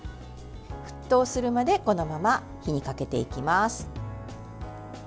沸騰するまでこのまま火にかけていきます。